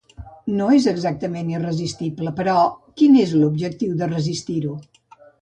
No és exactament irresistible, però quin és l'objectiu de resistir-ho?